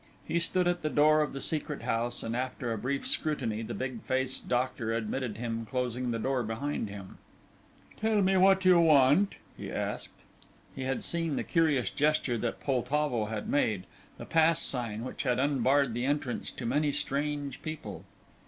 He stood at the door of the Secret House, and after a brief scrutiny the big faced doctor admitted him, closing the door behind him. "Tell me, what do you want?" he asked. He had seen the curious gesture that Poltavo had made the pass sign which had unbarred the entrance to many strange people.